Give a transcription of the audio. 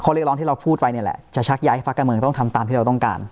เรียกร้องที่เราพูดไปเนี่ยแหละจะชักย้ายให้พักการเมืองต้องทำตามที่เราต้องการ